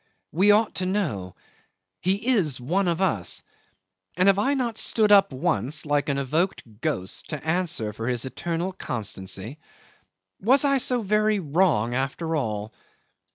We ought to know. He is one of us and have I not stood up once, like an evoked ghost, to answer for his eternal constancy? Was I so very wrong after all?